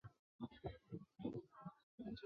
这种现象被称为盈余惯性。